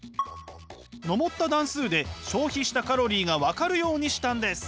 上った段数で消費したカロリーが分かるようにしたんです。